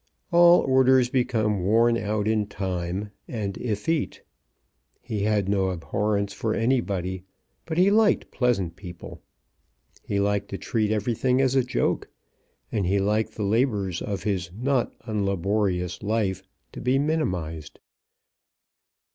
All orders become worn out in time, and effete. He had no abhorrence for anybody; but he liked pleasant people; he liked to treat everything as a joke; and he liked the labours of his not unlaborious life to be minimised.